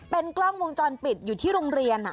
เป็นกล้องวงจรปิดอยู่ที่โรงเรียน